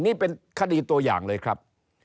นี่เป็นคดีตัวอย่างเลยครับ